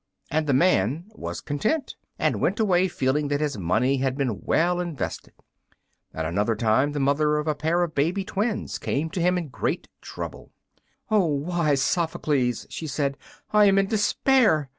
And the man was content, and went away feeling that his money had been well invested. At another time the mother of a pair of baby twins came to him in great trouble. "O most wise Sophocles!" she said, "I am in despair!